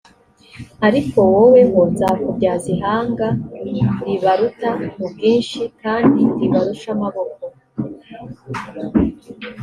ariko woweho nzakubyaza ihanga ribaruta ubwinshi kandi ribarusha amaboko.»